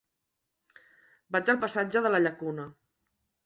Vaig al passatge de la Llacuna.